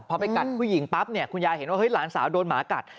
พอไปกัดผู้หญิงปั๊บเนี่ยคุณยายเห็นว่าหลานสาวโดนหมากัด